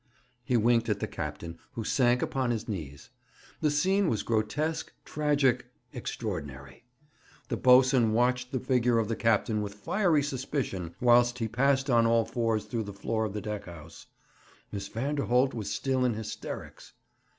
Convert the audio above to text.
He winked at the captain, who sank upon his knees. The scene was grotesque, tragic, extraordinary. The boatswain watched the figure of the captain with fiery suspicion whilst he passed on all fours through the door of the deck house. Miss Vanderholt was still in hysterics.